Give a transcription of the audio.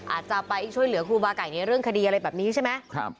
อาจจะไปช่วยเหลือครูบาไก่ในเรื่องคดีอะไรแบบนี้ใช่ไหม